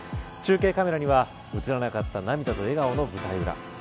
中継カメラには映らなかった涙と笑顔の舞台裏。